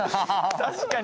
確かに。